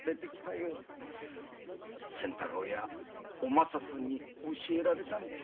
それを仙太郎やお政さんに教えられたんです。